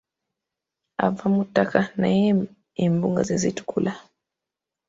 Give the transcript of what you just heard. Ava mu ttaka naye embugo ze zitukula.